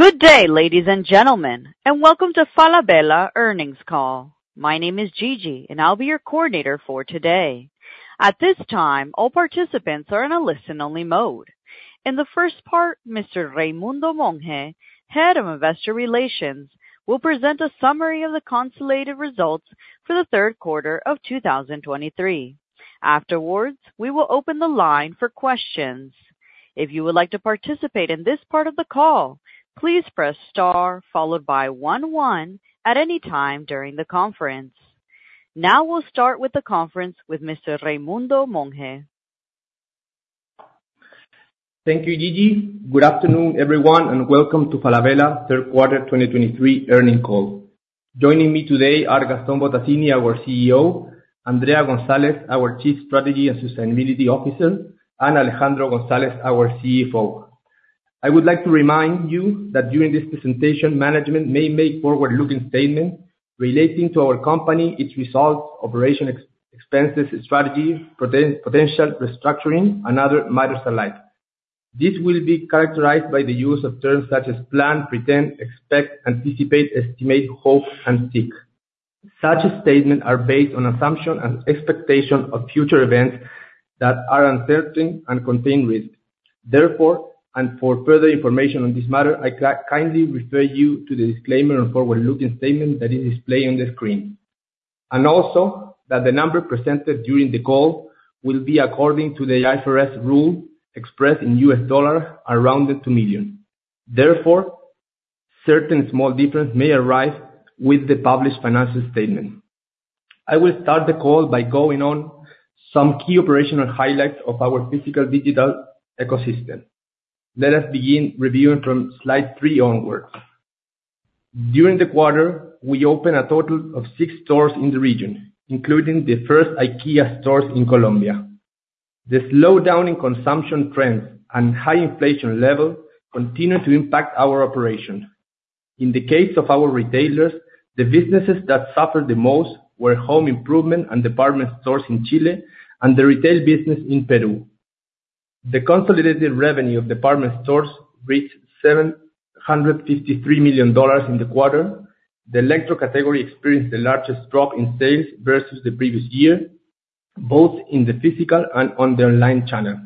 Good day, ladies and gentlemen, and welcome to Falabella Earnings Call. My name is Gigi, and I'll be your coordinator for today. At this time, all participants are in a listen-only mode. In the first part, Mr. Raimundo Monge, Head of Investor Relations, will present a summary of the consolidated results for the third quarter of 2023. Afterwards, we will open the line for questions. If you would like to participate in this part of the call, please press star followed by one one at any time during the conference. Now we'll start with the conference with Mr. Raimundo Monge. Thank you, Gigi. Good afternoon, everyone, and welcome to Falabella third quarter 2023 earnings call. Joining me today are Gastón Bottazzini, our CEO, Andrea González, our Chief Strategy and Sustainability Officer, and Alejandro González, our CFO. I would like to remind you that during this presentation, management may make forward-looking statements relating to our company, its results, operation expenses, strategy, potential restructuring, and other matters alike. This will be characterized by the use of terms such as plan, pretend, expect, anticipate, estimate, hope, and seek. Such statements are based on assumptions and expectations of future events that are uncertain and contain risk. Therefore, and for further information on this matter, I kindly refer you to the disclaimer on forward-looking statement that is displayed on the screen. Also, that the number presented during the call will be according to the IFRS rule expressed in U.S. dollars, rounded to millions. Therefore, certain small difference may arise with the published financial statement. I will start the call by going on some key operational highlights of our physical digital ecosystem. Let us begin reviewing from slide three onwards. During the quarter, we opened a total of six stores in the region, including the first IKEA stores in Colombia. The slowdown in consumption trends and high inflation level continue to impact our operations. In the case of our retailers, the businesses that suffered the most were home improvement and department stores in Chile and the retail business in Peru. The consolidated revenue of department stores reached $753 million in the quarter. The electro category experienced the largest drop in sales versus the previous year, both in the physical and on the online channel.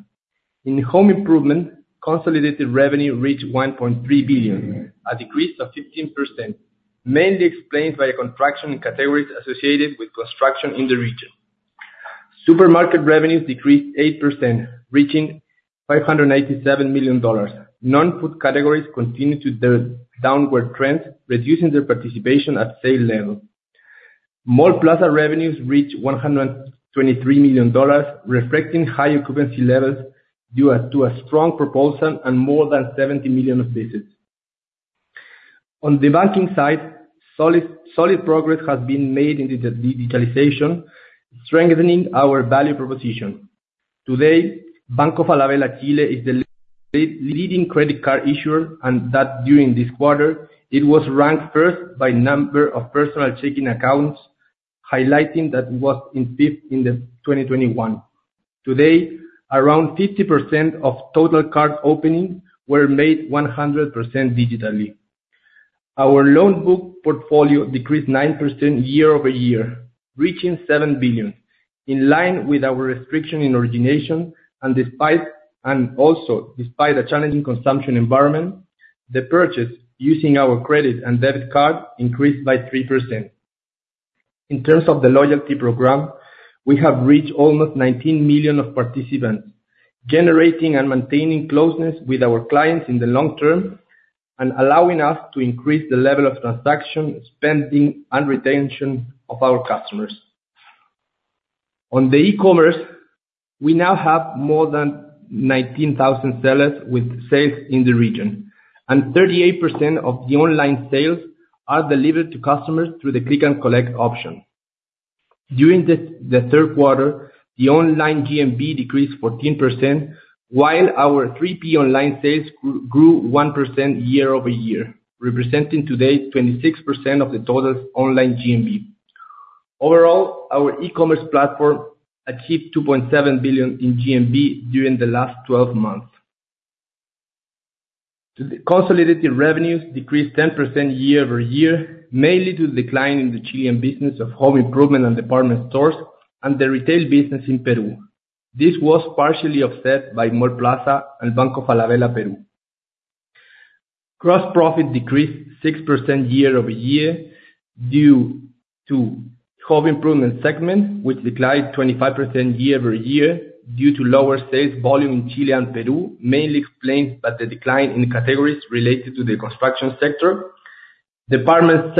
In home improvement, consolidated revenue reached $1.3 billion, a decrease of 15%, mainly explained by a contraction in categories associated with construction in the region. Supermarket revenues decreased 8%, reaching $587 million. Non-food categories continued to their downward trend, reducing their participation at sale level. Mallplaza revenues reached $123 million, reflecting high occupancy levels due to a strong proposal and more than 70 million visits. On the banking side, solid progress has been made in the digitalization, strengthening our value proposition. Today, Banco Falabella Chile is the leading credit card issuer, and that during this quarter, it was ranked first by number of personal checking accounts, highlighting that it was in fifth in 2021. Today, around 50% of total card openings were made 100% digitally. Our loan book portfolio decreased 9% year over year, reaching $7 billion, in line with our restriction in origination, and also, despite a challenging consumption environment, the purchase using our credit and debit card increased by 3%. In terms of the loyalty program, we have reached almost 19 million of participants, generating and maintaining closeness with our clients in the long term, and allowing us to increase the level of transaction, spending, and retention of our customers. On e-commerce, we now have more than 19,000 sellers with sales in the region, and 38% of the online sales are delivered to customers through the Click and Collect option. During the third quarter, the online GMV decreased 14%, while our 3P online sales grew 1% year-over-year, representing today 26% of the total online GMV. Overall, our e-commerce platform achieved $2.7 billion in GMV during the last twelve months. The consolidated revenues decreased 10% year-over-year, mainly to the decline in the Chilean business of home improvement and department stores and the retail business in Peru. This was partially offset by Mallplaza and Banco Falabella, Peru. Gross profit decreased 6% year-over-year due to home improvement segment, which declined 25% year-over-year due to lower sales volume in Chile and Peru, mainly explained by the decline in categories related to the construction sector. Department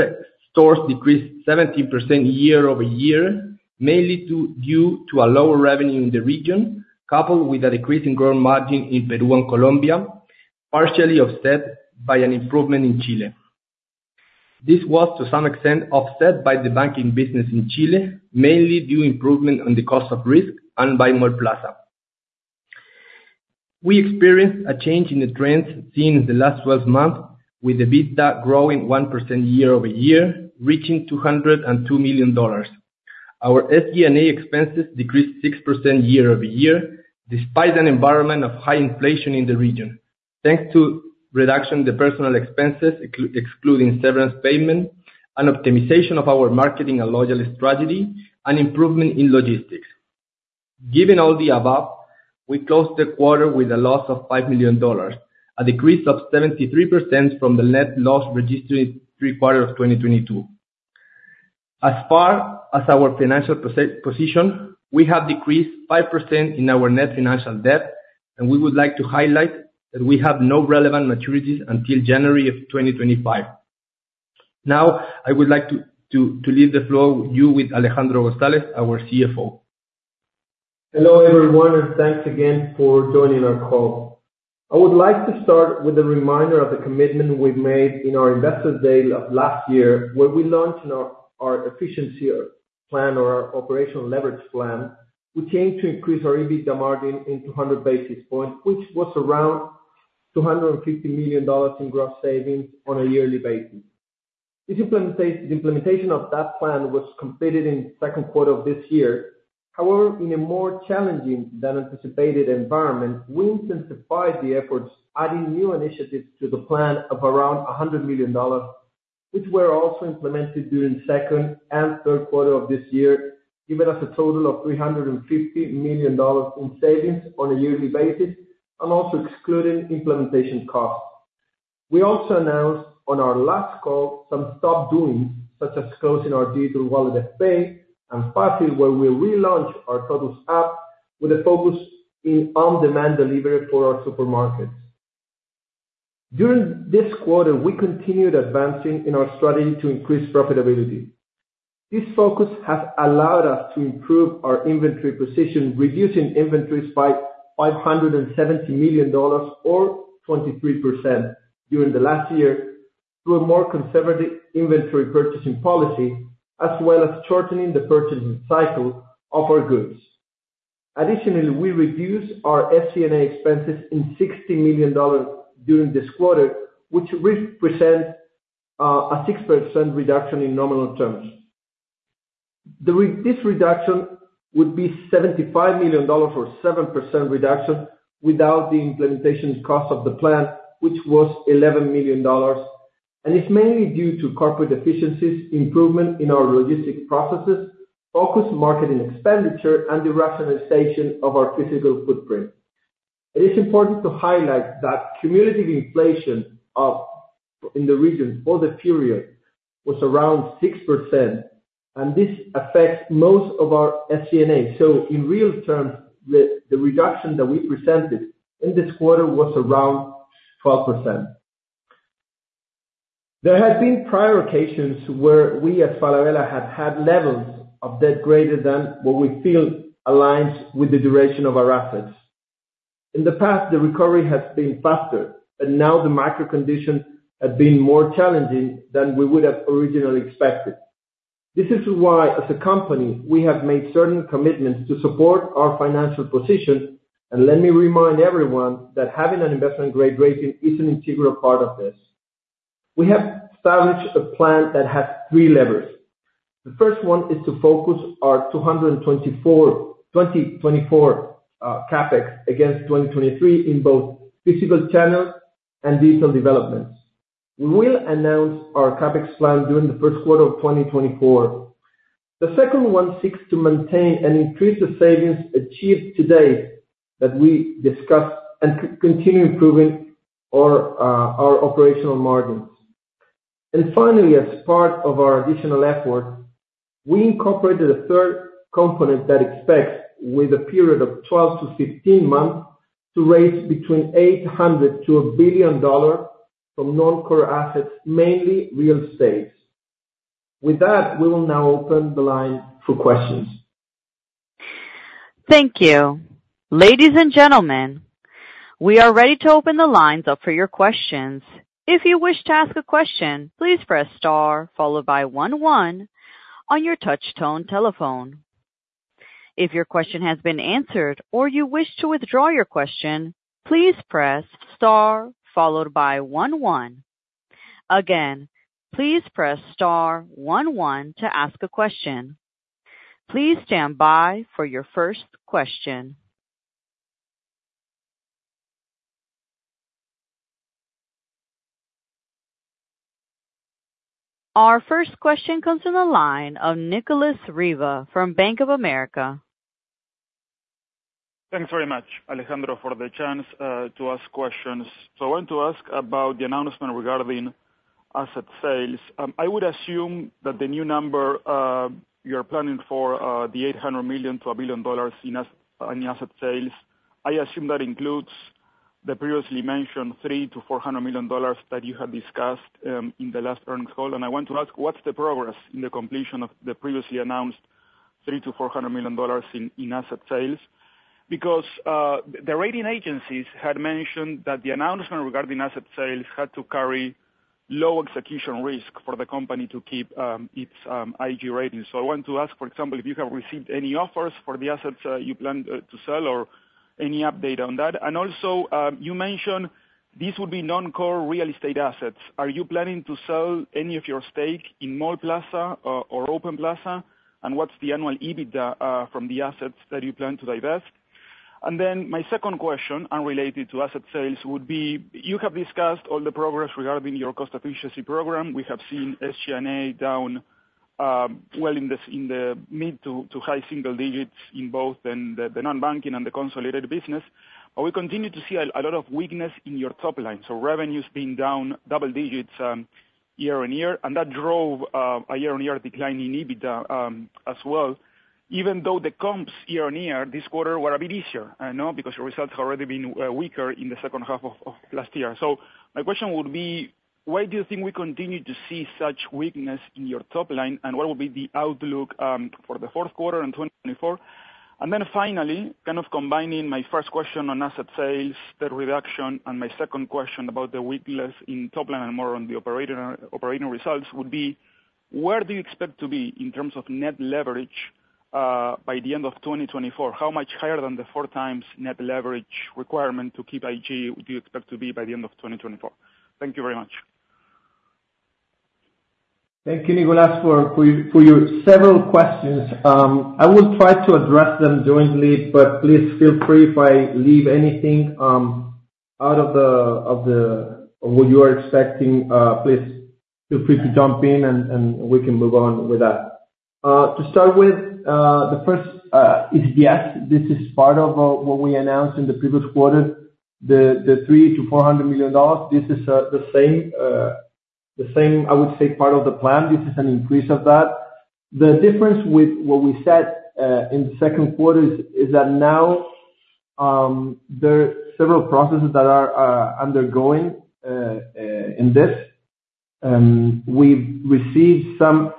stores decreased 17% year-over-year, mainly due to a lower revenue in the region, coupled with a decrease in gross margin in Peru and Colombia, partially offset by an improvement in Chile. This was, to some extent, offset by the banking business in Chile, mainly due to improvement on the cost of risk and by Mallplaza. We experienced a change in the trends seen in the last 12 months, with the EBITDA growing 1% year-over-year, reaching $202 million. Our SG&A expenses decreased 6% year-over-year, despite an environment of high inflation in the region, thanks to reduction in the personal expenses, excluding severance payment and optimization of our marketing and loyalty strategy and improvement in logistics. Given all the above, we closed the quarter with a loss of $5 million, a decrease of 73% from the net loss registered in the third quarter of 2022. As far as our financial position, we have decreased 5% in our net financial debt, and we would like to highlight that we have no relevant maturities until January of 2025. Now, I would like to leave the floor with you, with Alejandro González, our CFO. Hello, everyone, and thanks again for joining our call. I would like to start with a reminder of the commitment we've made in our Investor Day last year, where we launched our efficiency plan or our operational leverage plan. We came to increase our EBITDA margin in 200 basis points, which was around $250 million in gross savings on a yearly basis. The implementation of that plan was completed in the second quarter of this year. However, in a more challenging than anticipated environment, we intensified the efforts, adding new initiatives to the plan of around $100 million, which were also implemented during second and third quarter of this year, giving us a total of $350 million in savings on a yearly basis and also excluding implementation costs. We also announced on our last call some stop doings, such as closing our digital wallet Fpay, and lastly, where we relaunched our Tottus app with a focus in on-demand delivery for our supermarkets. During this quarter, we continued advancing in our strategy to increase profitability. This focus has allowed us to improve our inventory position, reducing inventories by $570 million or 23% during the last year, through a more conservative inventory purchasing policy, as well as shortening the purchasing cycle of our goods. Additionally, we reduced our SG&A expenses in $60 million during this quarter, which represent a 6% reduction in nominal terms. This reduction would be $75 million or 7% reduction without the implementation cost of the plan, which was $11 million, and it's mainly due to corporate efficiencies, improvement in our logistic processes, focused marketing expenditure, and the rationalization of our physical footprint. It is important to highlight that cumulative inflation in the region for the period was around 6%, and this affects most of our SG&A. So in real terms, the reduction that we presented in this quarter was around 12%. There have been prior occasions where we at Falabella have had levels of debt greater than what we feel aligns with the duration of our assets. In the past, the recovery has been faster, but now the macro conditions have been more challenging than we would have originally expected. This is why, as a company, we have made certain commitments to support our financial position, and let me remind everyone that having an investment-grade rating is an integral part of this. We have established a plan that has three levers. The first one is to focus our 2024 CapEx against 2023 in both physical channels and digital developments. We will announce our CapEx plan during the first quarter of 2024. The second one seeks to maintain and increase the savings achieved today that we discussed, and continue improving our operational margins. Finally, as part of our additional effort, we incorporated a third component that expects, with a period of 12-15 months, to raise between $800 million-$1 billion from non-core assets, mainly real estates. With that, we will now open the line for questions. Thank you. Ladies and gentlemen, we are ready to open the lines up for your questions. If you wish to ask a question, please press star followed by one one on your touch tone telephone. If your question has been answered or you wish to withdraw your question, please press star followed by one one. Again, please press star one one to ask a question. Please stand by for your first question. Our first question comes from the line of Nicolas Riva from Bank of America. Thanks very much, Alejandro, for the chance to ask questions. I want to ask about the announcement regarding asset sales. I would assume that the new number you're planning for, the $800 million-$1 billion in asset sales, I assume that includes the previously mentioned $300 million-$400 million that you had discussed in the last earnings call. I want to ask, what's the progress in the completion of the previously announced $300 million-$400 million in asset sales? Because the rating agencies had mentioned that the announcement regarding asset sales had to carry low execution risk for the company to keep its IG ratings. I want to ask, for example, if you have received any offers for the assets you plan to sell, or? Any update on that? And also, you mentioned these would be non-core real estate assets. Are you planning to sell any of your stake in Mallplaza or Open Plaza? And what's the annual EBITDA from the assets that you plan to divest? And then my second question, unrelated to asset sales, would be: you have discussed all the progress regarding your cost efficiency program. We have seen SG&A down, well in the mid- to high single digits in both the non-banking and the consolidated business. But we continue to see a lot of weakness in your top line, so revenues being down double digits, year-on-year, and that drove a year-on-year decline in EBITDA, as well, even though the comps year-on-year this quarter were a bit easier, I know, because your results have already been weaker in the second half of last year. So my question would be, why do you think we continue to see such weakness in your top line? And what will be the outlook for the fourth quarter in 2024? And then finally, kind of combining my first question on asset sales, the reduction, and my second question about the weakness in top line and more on the operating results would be: where do you expect to be in terms of net leverage by the end of 2024? How much higher than the 4x net leverage requirement to keep IG would you expect to be by the end of 2024? Thank you very much. Thank you, Nicholas, for your several questions. I will try to address them jointly, but please feel free if I leave anything out of what you are expecting, please feel free to jump in, and we can move on with that. To start with, the first is, yes, this is part of what we announced in the previous quarter, the $300 million-$400 million. This is the same, the same, I would say, part of the plan. This is an increase of that. The difference with what we said in the second quarter is that now there are several processes that are undergoing in this. We've received some...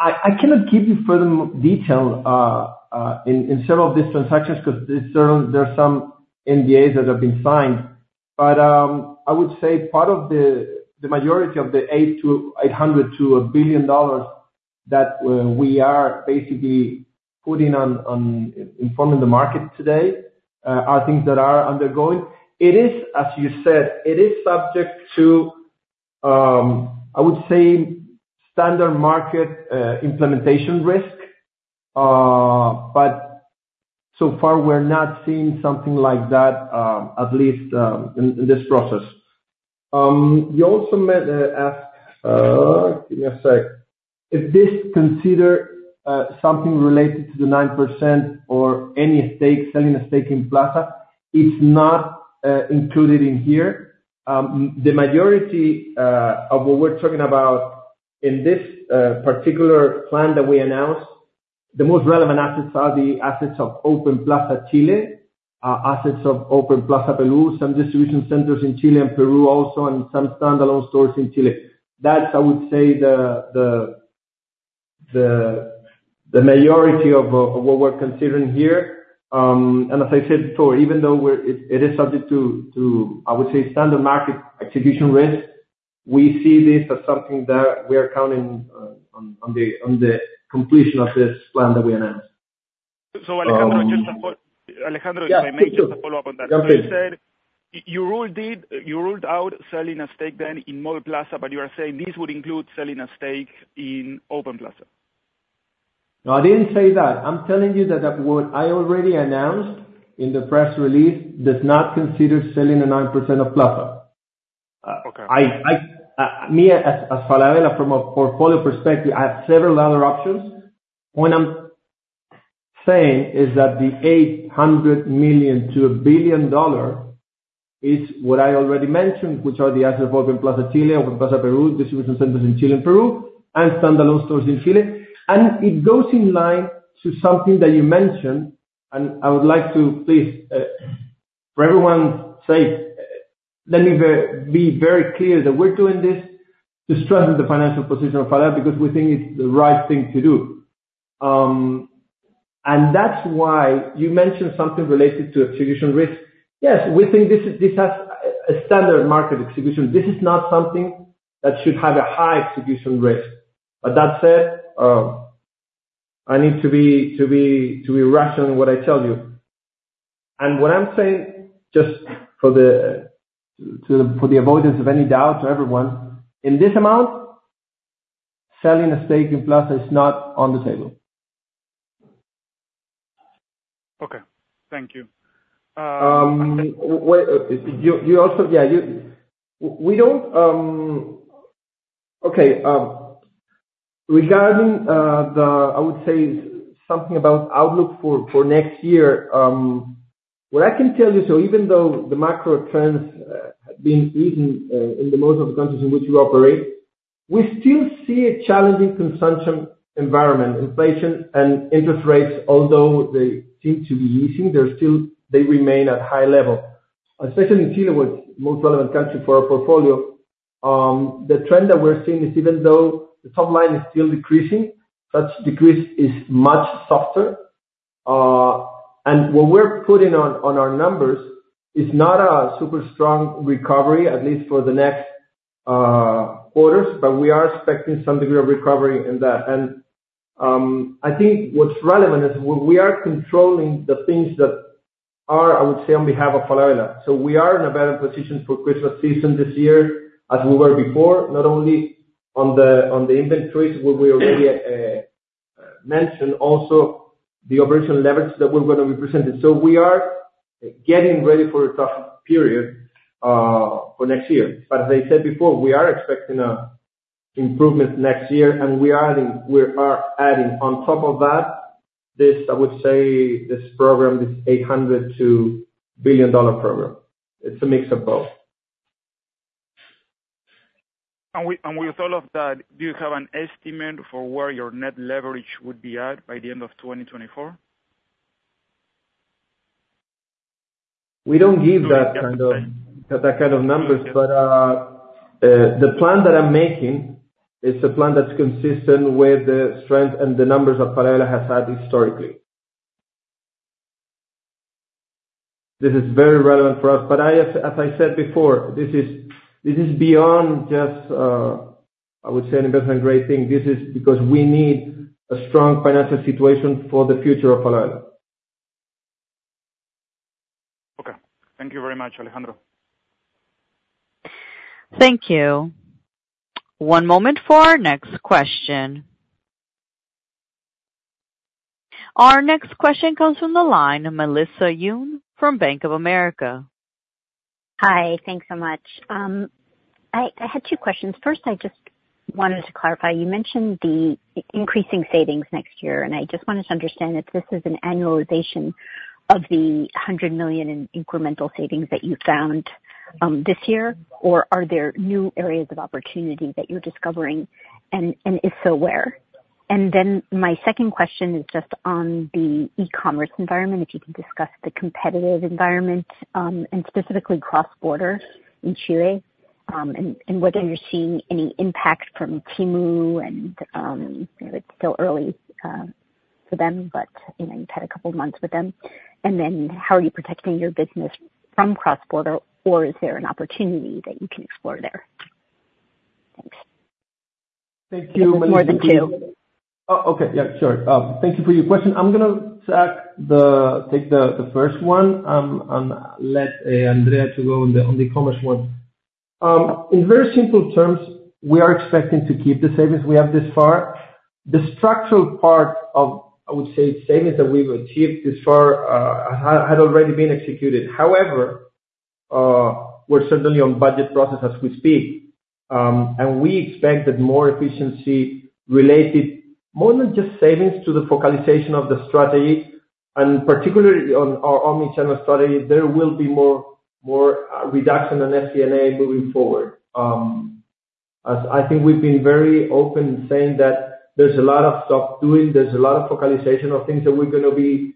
I cannot give you further detail in several of these transactions, 'cause there's some NDAs that have been signed. But I would say part of the majority of the $800 million-$1 billion that we are basically putting on the market today are things that are undergoing. It is, as you said, it is subject to I would say standard market implementation risk. But so far, we're not seeing something like that, at least in this process. You also asked, give me a sec. If this consider something related to the 9% or any stake, selling a stake in Plaza, it's not included in here. The majority of what we're talking about in this particular plan that we announced, the most relevant assets are the assets of Open Plaza Chile, assets of Open Plaza Peru, some distribution centers in Chile and Peru also, and some standalone stores in Chile. That's, I would say, the majority of what we're considering here. And as I said before, even though it is subject to, I would say, standard market execution risk, we see this as something that we are counting on the completion of this plan that we announced. So, Alejandro, just to follow - Alejandro - Yeah, please do. May I make just a follow-up on that? Okay. You said you ruled it, you ruled out selling a stake then in Mallplaza, but you are saying this would include selling a stake in Open Plaza? No, I didn't say that. I'm telling you that what I already announced in the press release does not consider selling the 9% of Plaza. Uh, okay. I, as Falabella, from a portfolio perspective, I have several other options. What I'm saying is that the $800 million-$1 billion is what I already mentioned, which are the assets of Open Plaza Chile, Open Plaza Peru, distribution centers in Chile and Peru, and standalone stores in Chile. And it goes in line to something that you mentioned, and I would like to please, for everyone's sake, let me be very clear that we're doing this to strengthen the financial position of Falabella, because we think it's the right thing to do. And that's why you mentioned something related to execution risk. Yes, we think this is, this has a standard market execution. This is not something that should have a high execution risk. But that said, I need to be rational in what I tell you. And what I'm saying, just for the avoidance of any doubt to everyone, in this amount, selling a stake in Plaza is not on the table. Okay. Thank you, Okay, regarding the, I would say something about outlook for next year, what I can tell you, so even though the macro trends have been even in the most of the countries in which we operate, we still see a challenging consumption environment. Inflation and interest rates, although they seem to be easing, they still remain at high level. Especially in Chile, with most relevant country for our portfolio, the trend that we're seeing is even though the top line is still decreasing, that decrease is much softer. And what we're putting on our numbers is not a super strong recovery, at least for the next quarters, but we are expecting some degree of recovery in that. And... I think what's relevant is we are controlling the things that are, I would say, on behalf of Falabella. So we are in a better position for Christmas season this year, as we were before, not only on the, on the inventories, where we already mentioned, also the operational leverage that we're gonna be presenting. So we are getting ready for a tough period for next year. But as I said before, we are expecting a improvement next year, and we are adding on top of that, this, I would say, this program, this $800 million to $1 billion program. It's a mix of both. With all of that, do you have an estimate for where your net leverage would be at by the end of 2024? We don't give that kind of numbers. But, the plan that I'm making is a plan that's consistent with the strength and the numbers that Falabella has had historically. This is very relevant for us, but I, as I said before, this is beyond just, I would say, an Investment Grade thing. This is because we need a strong financial situation for the future of Falabella. Okay. Thank you very much, Alejandro. Thank you. One moment for our next question. Our next question comes from the line of Melissa Byun from Bank of America. Hi, thanks so much. I had two questions. First, I just wanted to clarify, you mentioned the increasing savings next year, and I just wanted to understand if this is an annualization of the $100 million in incremental savings that you found this year, or are there new areas of opportunity that you're discovering, and if so, where? And then my second question is just on the e-commerce environment, if you can discuss the competitive environment, and specifically cross-border in Chile, and whether you're seeing any impact from Temu, and I know it's still early for them, but you know, you've had a couple months with them. And then how are you protecting your business from cross-border, or is there an opportunity that you can explore there? Thanks. Thank you, Melissa- More than two. Oh, okay. Yeah, sure. Thank you for your question. I'm gonna take the first one, and let Andrea go on the e-commerce one. In very simple terms, we are expecting to keep the savings we have this far. The structural part of, I would say, savings that we've achieved this far had already been executed. However, we're certainly on budget process as we speak, and we expect that more efficiency related, more than just savings to the focalization of the strategy, and particularly on our omnichannel strategy, there will be more reduction in SG&A moving forward. As I think we've been very open in saying that there's a lot of stuff doing, there's a lot of focalization of things that we're gonna be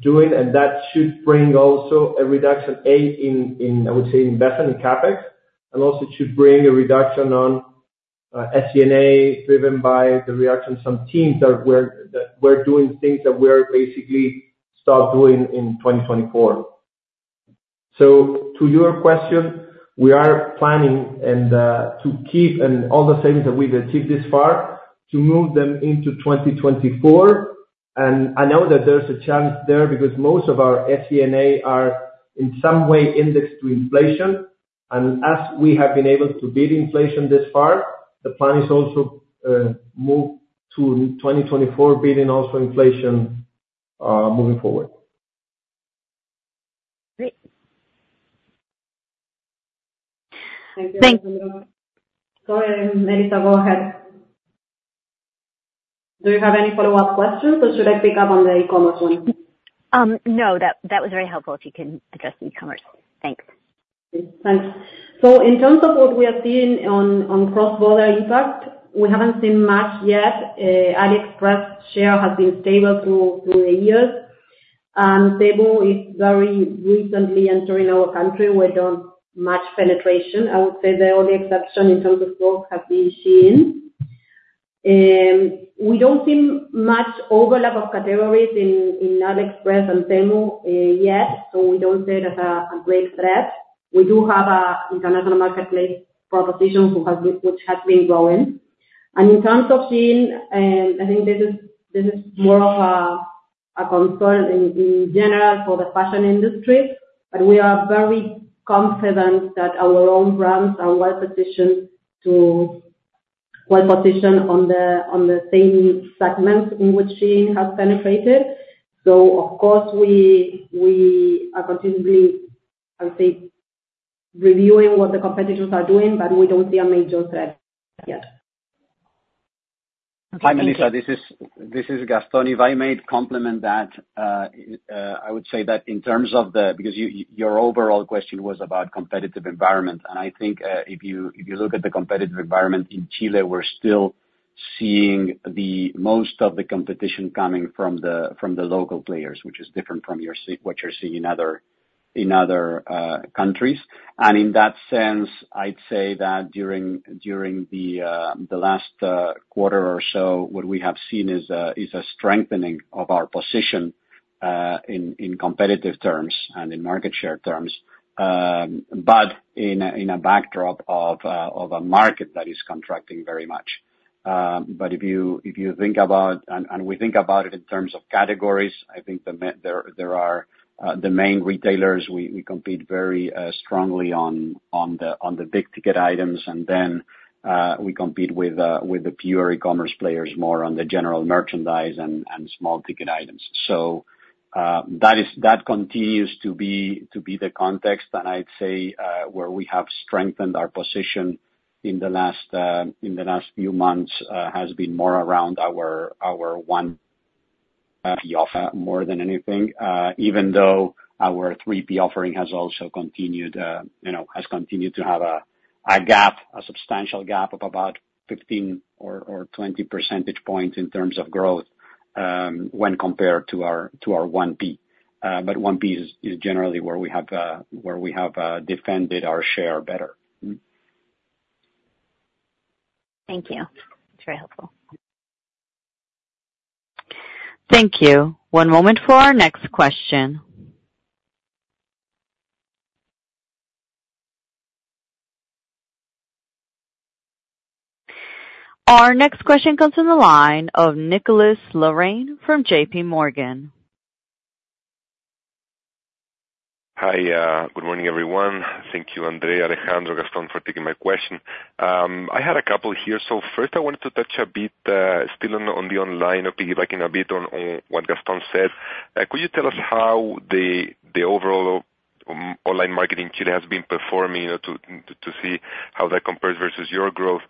doing, and that should bring also a reduction in, in, I would say, investment in CapEx, and also should bring a reduction on SG&A, driven by the reaction from teams that we're, that we're doing things that we're basically start doing in 2024. So to your question, we are planning and to keep and all the savings that we've achieved this far, to move them into 2024. And I know that there's a chance there, because most of our SG&A are in some way indexed to inflation. And as we have been able to beat inflation this far, the plan is also move to 2024, beating also inflation, moving forward. Great. Thank you. Thanks. Go ahead, Melissa, go ahead. Do you have any follow-up questions, or should I pick up on the e-commerce one? No, that was very helpful if you can address e-commerce. Thanks. Thanks. So in terms of what we are seeing on, on cross-border impact, we haven't seen much yet. AliExpress share has been stable through, through the years. And Temu is very recently entering our country with not much penetration. I would say the only exception in terms of growth has been Shein. We don't see much overlap of categories in, in AliExpress and Temu yet, so we don't see it as a, a great threat. We do have a international marketplace proposition which has, which has been growing. And in terms of Shein, I think this is, this is more of a, a concern in, in general for the fashion industry, but we are very confident that our own brands are well-positioned to well-positioned on the, on the same segments in which Shein has penetrated. So of course, we are continually, I would say, reviewing what the competitors are doing, but we don't see a major threat yet. Okay, thank you. Hi, Melissa, this is Gastón. If I may complement that, I would say that in terms of the... Because your overall question was about competitive environment. And I think, if you look at the competitive environment in Chile, we're still seeing most of the competition coming from the local players, which is different from what you're seeing in other countries. And in that sense, I'd say that during the last quarter or so, what we have seen is a strengthening of our position in competitive terms and in market share terms, but in a backdrop of a market that is contracting very much. But if you think about, and we think about it in terms of categories, I think the main, there are the main retailers, we compete very strongly on the big ticket items, and then we compete with the pure e-commerce players more on the general merchandise and small ticket items. So, that is- that continues to be, to be the context, and I'd say where we have strengthened our position in the last few months has been more around our 1P offer more than anything, even though our 3P offering has also continued, you know, has continued to have a substantial gap of about 15 or 20 percentage points in terms of growth, when compared to our 1P. But 1P is generally where we have defended our share better. Mm-hmm. Thank you. It's very helpful. Thank you. One moment for our next question. Our next question comes from the line of Nicolás Larrain from JPMorgan. Hi, good morning, everyone. Thank you, Andrea, Alejandro, Gastón, for taking my question. I had a couple here. So first, I wanted to touch a bit, still on the online, piggyback a bit on what Gastón said. Could you tell us how the overall online market in Chile has been performing, you know, to see how that compares versus your growth?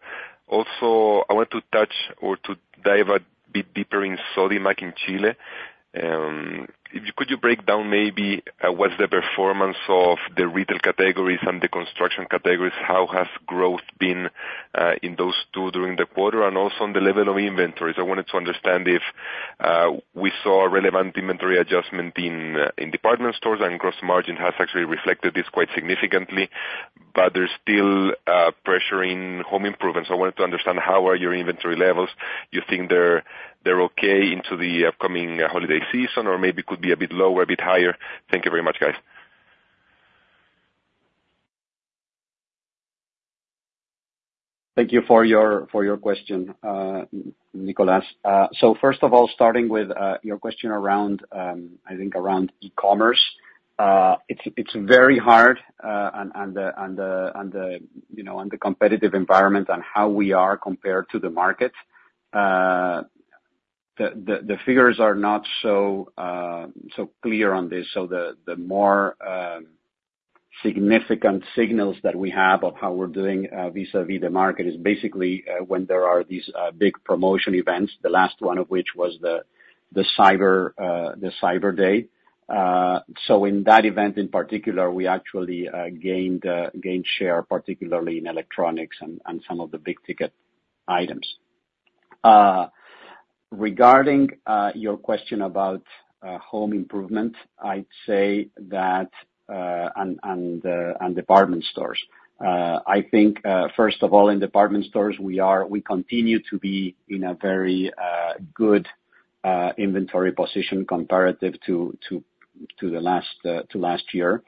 Also, I want to touch or to dive a bit deeper in SODIMAC in Chile. Could you break down maybe what's the performance of the retail categories and the construction categories? How has growth been in those two during the quarter? And also on the level of inventories, I wanted to understand if we saw a relevant inventory adjustment in department stores, and gross margin has actually reflected this quite significantly, but there's still pressure in home improvement. So I wanted to understand how are your inventory levels? You think they're okay into the upcoming holiday season, or maybe could be a bit lower, a bit higher? Thank you very much, guys. Thank you for your question, Nicholas. So first of all, starting with your question around, I think around e-commerce, it's very hard, you know, and the competitive environment and how we are compared to the market. The figures are not so clear on this, so the more significant signals that we have of how we're doing vis-a-vis the market is basically when there are these big promotion events, the last one of which was the Cyber Day. So in that event in particular, we actually gained share, particularly in electronics and some of the big ticket items. Regarding your question about home improvement and department stores, I think first of all, in department stores, we continue to be in a very good inventory position comparative to last year,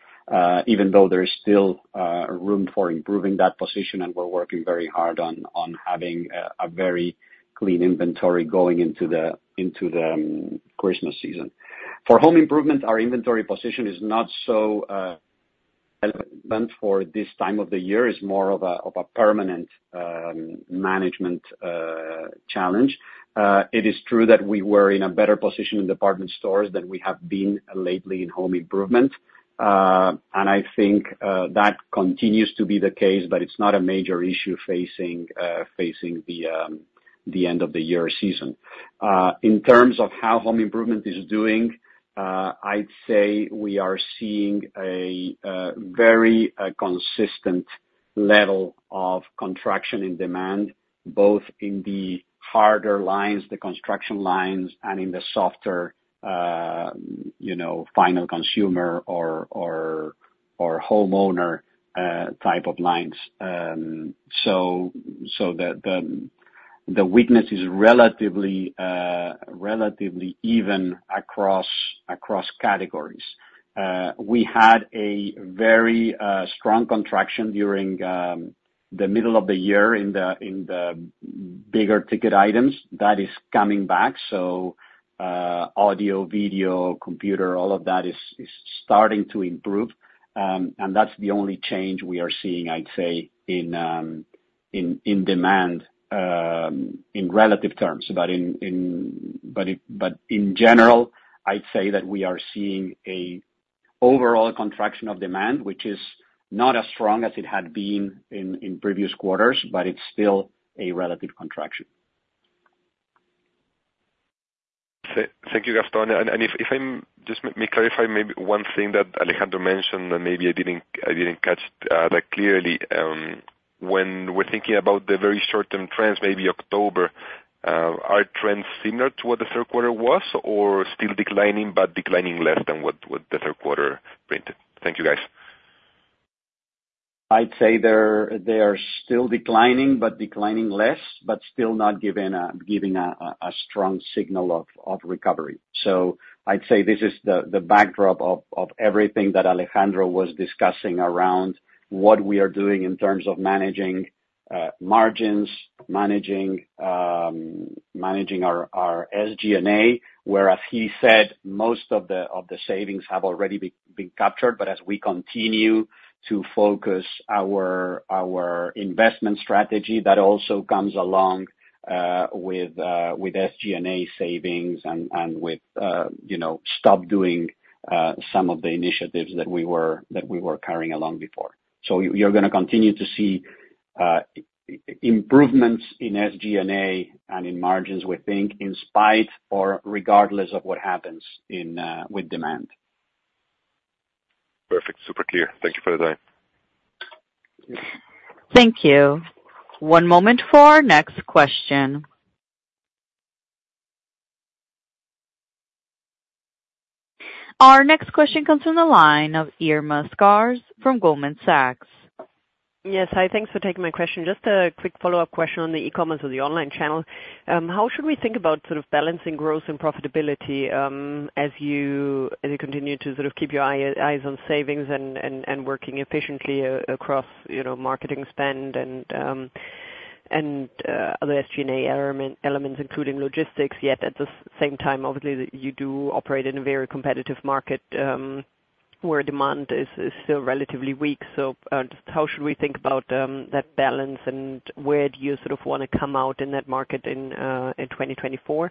even though there is still room for improving that position, and we're working very hard on having a very clean inventory going into the Christmas season. For home improvement, our inventory position is not so relevant for this time of the year, it's more of a permanent management challenge. It is true that we were in a better position in department stores than we have been lately in home improvement. I think that continues to be the case, but it's not a major issue facing the end-of-the-year season. In terms of how home improvement is doing, I'd say we are seeing a very consistent level of contraction in demand, both in the harder lines, the construction lines, and in the softer, you know, final consumer or homeowner type of lines. So the weakness is relatively even across categories. We had a very strong contraction during the middle of the year in the bigger ticket items. That is coming back, so audio, video, computer, all of that is starting to improve, and that's the only change we are seeing, I'd say, in demand, in relative terms. But in general, I'd say that we are seeing an overall contraction of demand, which is not as strong as it had been in previous quarters, but it's still a relative contraction. Thank you, Gastón. And if I'm just let me clarify maybe one thing that Alejandro mentioned, and maybe I didn't catch that clearly. When we're thinking about the very short-term trends, maybe October, are trends similar to what the third quarter was, or still declining, but declining less than what the third quarter printed? Thank you, guys.... I'd say they are still declining, but declining less, but still not giving a strong signal of recovery. So I'd say this is the backdrop of everything that Alejandro was discussing around what we are doing in terms of managing margins, managing our SG&A, whereas he said most of the savings have already been captured. But as we continue to focus our investment strategy, that also comes along with SG&A savings and with you know, stop doing some of the initiatives that we were carrying along before. So you're gonna continue to see improvements in SG&A and in margins, we think, in spite or regardless of what happens with demand. Perfect. Super clear. Thank you for the time. Thank you. One moment for our next question. Our next question comes from the line of Irma Sgarz from Goldman Sachs. Yes, hi. Thanks for taking my question. Just a quick follow-up question on the e-commerce or the online channel. How should we think about sort of balancing growth and profitability, as you continue to sort of keep your eyes on savings and working efficiently across, you know, marketing spend and other SG&A elements, including logistics, yet at the same time, obviously, you do operate in a very competitive market, where demand is still relatively weak. So, just how should we think about that balance, and where do you sort of want to come out in that market in 2024?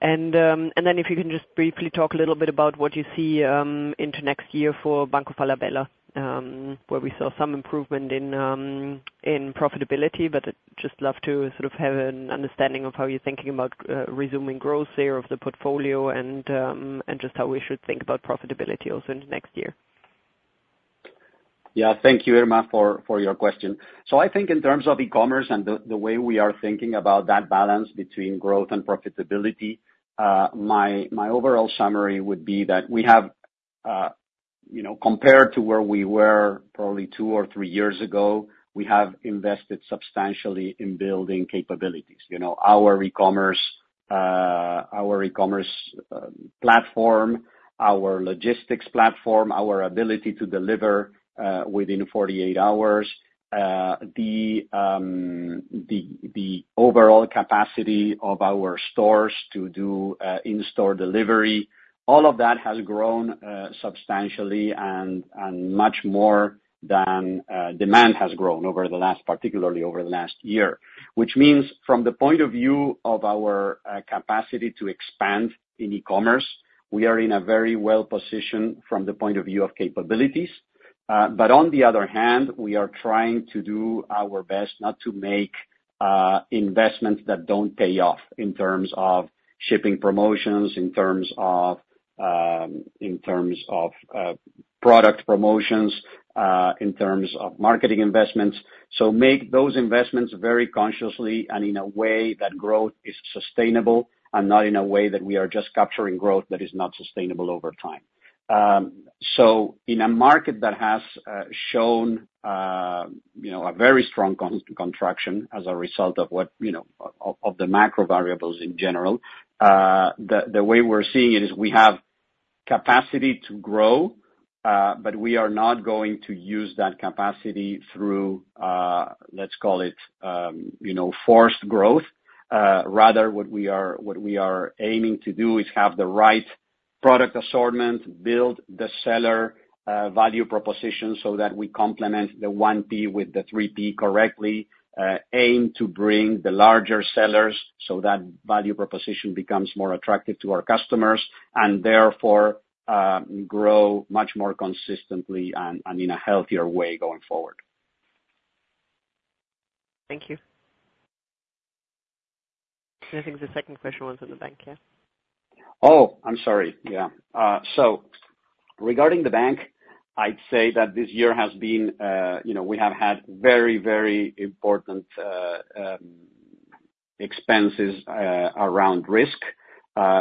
Then if you can just briefly talk a little bit about what you see into next year for Banco Falabella, where we saw some improvement in profitability, but I'd just love to sort of have an understanding of how you're thinking about resuming growth there of the portfolio and just how we should think about profitability also in the next year. Yeah. Thank you, Irma, for your question. So I think in terms of e-commerce and the way we are thinking about that balance between growth and profitability, my overall summary would be that we have, you know, compared to where we were probably two or three years ago, we have invested substantially in building capabilities. You know, our e-commerce platform, our logistics platform, our ability to deliver within 48 hours, the overall capacity of our stores to do in-store delivery, all of that has grown substantially and much more than demand has grown over the last, particularly over the last year. Which means from the point of view of our capacity to expand in e-commerce, we are in a very well position from the point of view of capabilities. But on the other hand, we are trying to do our best not to make investments that don't pay off in terms of shipping promotions, in terms of product promotions, in terms of marketing investments. So make those investments very consciously and in a way that growth is sustainable and not in a way that we are just capturing growth that is not sustainable over time. So in a market that has shown, you know, a very strong contraction as a result of what, you know, of the macro variables in general, the way we're seeing it is we have capacity to grow, but we are not going to use that capacity through, let's call it, you know, forced growth. Rather, what we are, what we are aiming to do is have the right product assortment, build the seller value proposition so that we complement the 1P with the 3P correctly, aim to bring the larger sellers, so that value proposition becomes more attractive to our customers, and therefore, grow much more consistently and in a healthier way going forward. Thank you. I think the second question was on the bank, yeah. Oh, I'm sorry. Yeah. So regarding the bank, I'd say that this year has been, you know, we have had very, very important expenses around risk.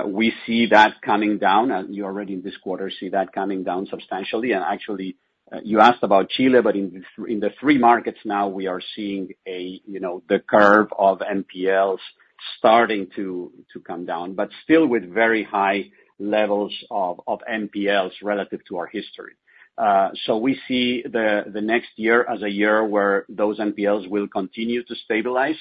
We see that coming down, and you already in this quarter see that coming down substantially. And actually, you asked about Chile, but in the three markets now, we are seeing a, you know, the curve of NPLs starting to come down, but still with very high levels of NPLs relative to our history. So we see the next year as a year where those NPLs will continue to stabilize,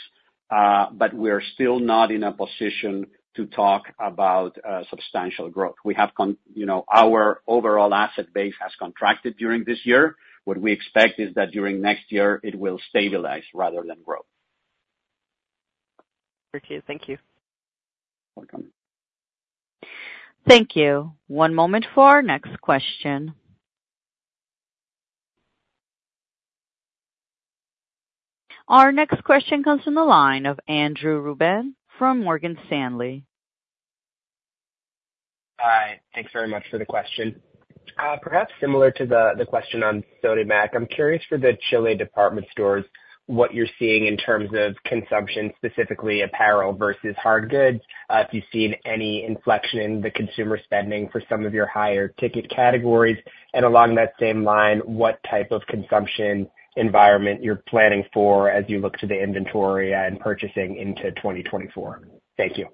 but we're still not in a position to talk about substantial growth. We have, you know, our overall asset base has contracted during this year. What we expect is that during next year, it will stabilize rather than grow. Thank you. Thank you. Welcome. Thank you. One moment for our next question. Our next question comes from the line of Andrew Ruben from Morgan Stanley.... Thanks very much for the question. Perhaps similar to the, the question on SODIMAC, I'm curious for the Chile department stores, what you're seeing in terms of consumption, specifically apparel versus hard goods, if you've seen any inflection in the consumer spending for some of your higher ticket categories? And along that same line, what type of consumption environment you're planning for as you look to the inventory and purchasing into 2024? Thank you.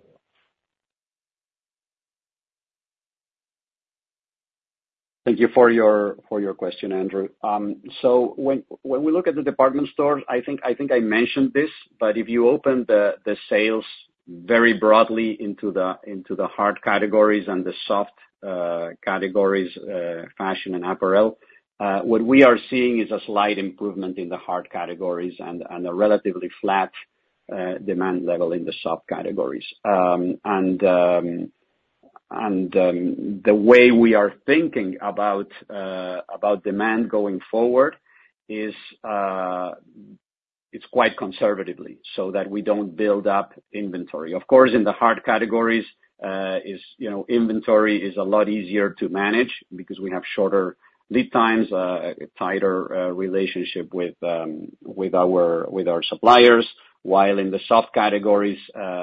Thank you for your question, Andrew. So when we look at the department stores, I think I mentioned this, but if you open the sales very broadly into the hard categories and the soft categories, fashion and apparel, what we are seeing is a slight improvement in the hard categories and a relatively flat demand level in the soft categories. And the way we are thinking about demand going forward is quite conservatively, so that we don't build up inventory. Of course, in the hard categories, you know, inventory is a lot easier to manage because we have shorter lead times, tighter relationship with our suppliers. While in the soft categories,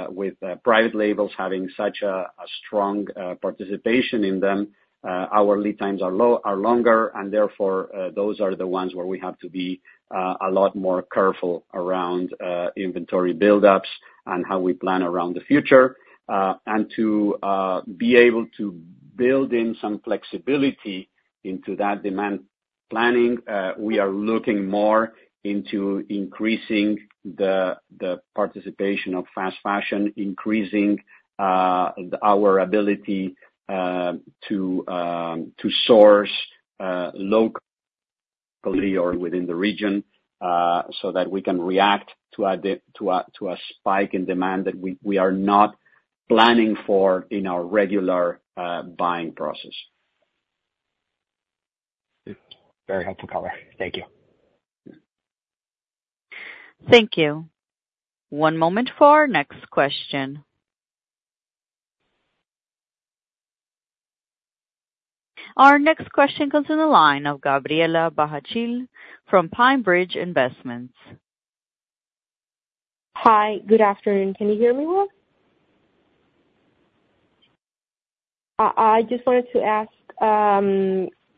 with private labels having such a strong participation in them, our lead times are longer, and therefore, those are the ones where we have to be a lot more careful around inventory buildups and how we plan around the future. To be able to build in some flexibility into that demand planning, we are looking more into increasing the participation of fast fashion, increasing our ability to source locally or within the region, so that we can react to a spike in demand that we are not planning for in our regular buying process. Very helpful color. Thank you. Thank you. One moment for our next question. Our next question comes in the line of Gabriela Bahachille from PineBridge Investments. Hi, good afternoon. Can you hear me well? I just wanted to ask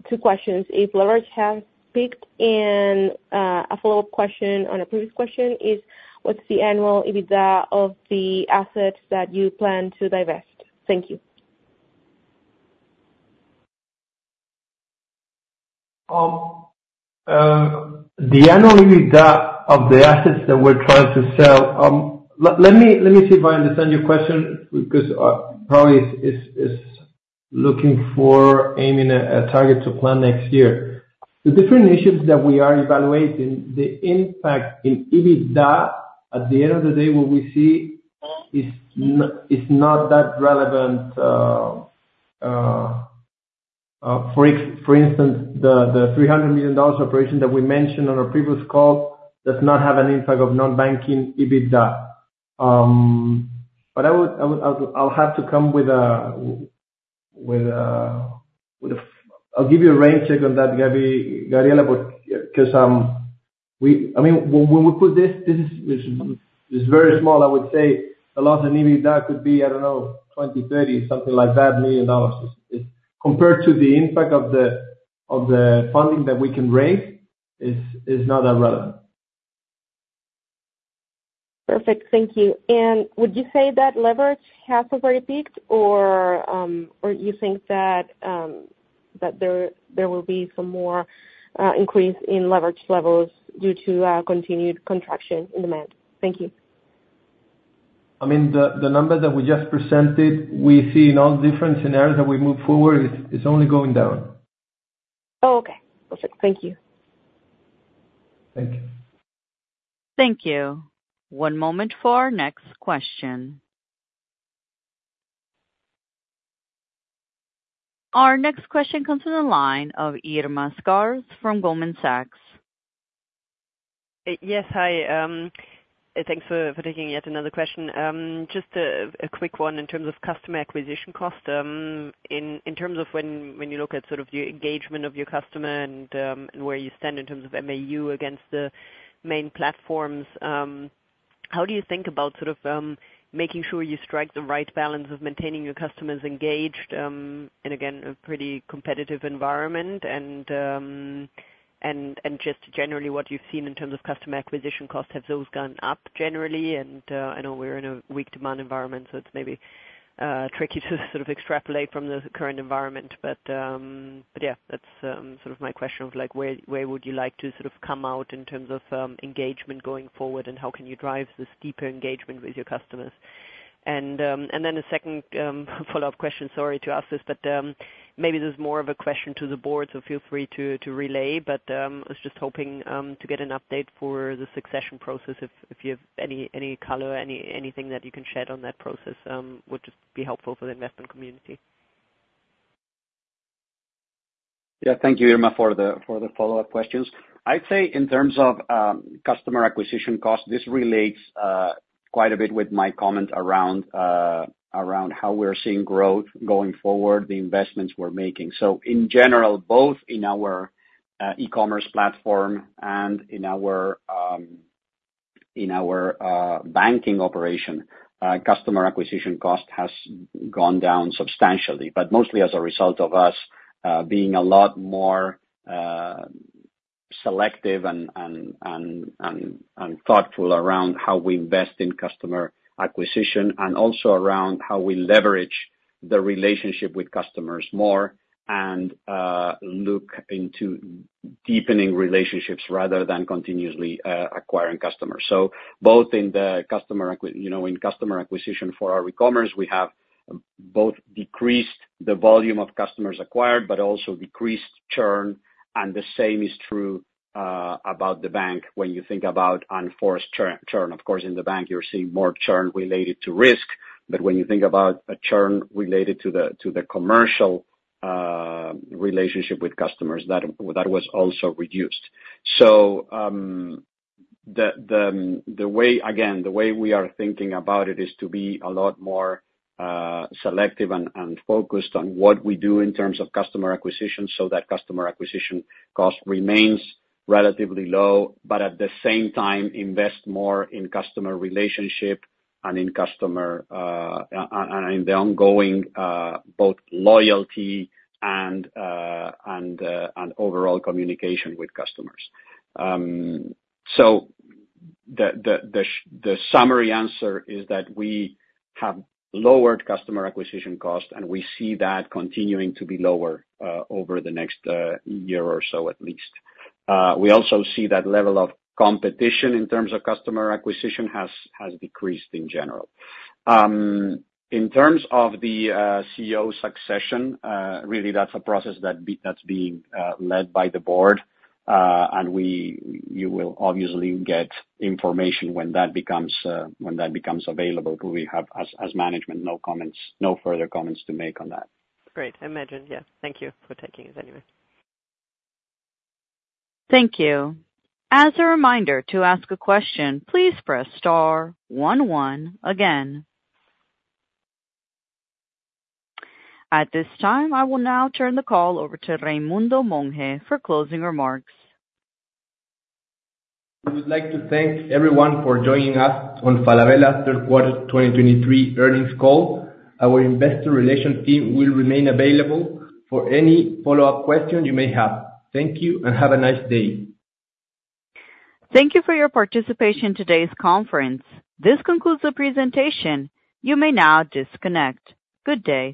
two questions. If leverage has peaked, and a follow-up question on a previous question is, what's the annual EBITDA of the assets that you plan to divest? Thank you. The annual EBITDA of the assets that we're trying to sell. Let me see if I understand your question, because probably is looking for aiming a target to plan next year. The different issues that we are evaluating, the impact in EBITDA, at the end of the day, what we see is not that relevant. For instance, the $300 million operation that we mentioned on our previous call does not have an impact of non-banking EBITDA. But I'll give you a rain check on that, Gabriela, but 'cause, I mean, when we put this, this is very small. I would say a loss in EBITDA could be, I don't know, $20 million-$30 million, something like that. It compared to the impact of the funding that we can raise is not that relevant. Perfect. Thank you. And would you say that leverage has already peaked, or you think that there will be some more increase in leverage levels due to continued contraction in demand? Thank you. I mean, the number that we just presented, we see in all different scenarios that we move forward, it's only going down. Oh, okay. Perfect. Thank you. Thank you. Thank you. One moment for our next question. Our next question comes from the line of Irma Sgarz from Goldman Sachs. Yes, hi. Thanks for taking yet another question. Just a quick one in terms of customer acquisition cost. In terms of when you look at sort of your engagement of your customer and where you stand in terms of MAU against the main platforms, how do you think about sort of making sure you strike the right balance of maintaining your customers engaged, in again, a pretty competitive environment? And just generally what you've seen in terms of customer acquisition costs, have those gone up generally? And I know we're in a weak demand environment, so it's maybe tricky to sort of extrapolate from the current environment. But yeah, that's sort of my question of like, where would you like to sort of come out in terms of engagement going forward, and how can you drive this deeper engagement with your customers? And then a second follow-up question, sorry to ask this, but maybe this is more of a question to the board, so feel free to relay. But I was just hoping to get an update for the succession process, if you have any color, anything that you can shed on that process, would just be helpful for the investment community.... Yeah, thank you, Irma, for the follow-up questions. I'd say in terms of customer acquisition costs, this relates quite a bit with my comment around how we're seeing growth going forward, the investments we're making. So in general, both in our e-commerce platform and in our banking operation, customer acquisition cost has gone down substantially. But mostly as a result of us being a lot more selective and thoughtful around how we invest in customer acquisition, and also around how we leverage the relationship with customers more and look into deepening relationships rather than continuously acquiring customers. So both in the customer acquisition, you know, in customer acquisition for our e-commerce, we have both decreased the volume of customers acquired, but also decreased churn, and the same is true, about the bank when you think about enforced churn. Of course, in the bank, you're seeing more churn related to risk, but when you think about a churn related to the commercial relationship with customers, that was also reduced. So, the way... Again, the way we are thinking about it is to be a lot more selective and focused on what we do in terms of customer acquisition, so that customer acquisition cost remains relatively low. But at the same time, invest more in customer relationship and in customer, and in the ongoing, both loyalty and overall communication with customers. So the summary answer is that we have lowered customer acquisition costs, and we see that continuing to be lower, over the next, year or so at least. We also see that level of competition in terms of customer acquisition has decreased in general. In terms of the CEO succession, really, that's a process that's being led by the board, and you will obviously get information when that becomes available. We have, as management, no comments, no further comments to make on that. Great. I imagine, yeah. Thank you for taking this anyway. Thank you. As a reminder, to ask a question, please press star one, one again. At this time, I will now turn the call over to Raimundo Monge for closing remarks. We would like to thank everyone for joining us on Falabella third quarter 2023 earnings call. Our investor relations team will remain available for any follow-up questions you may have. Thank you, and have a nice day. Thank you for your participation in today's conference. This concludes the presentation. You may now disconnect. Good day.